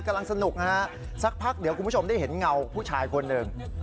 กำลังสนุกนะฮะสักพักเดี๋ยวคุณผู้ชมได้เห็นเงาผู้ชายคนหนึ่ง